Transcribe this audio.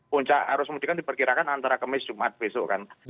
puncak arus mudik kan diperkirakan antara kemis jumat besok kan